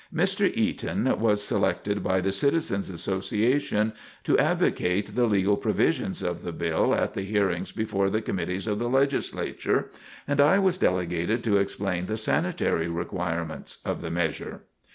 Mr. Eaton was selected by the Citizens' Association to advocate the legal provisions of the bill at the hearings before the committees of the Legislature, and I was delegated to explain the sanitary requirements of the measure.